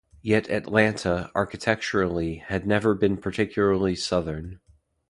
Yet Atlanta, architecturally, had never been particularly southern.